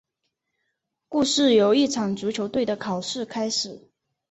故事由一场足球队的考试开始。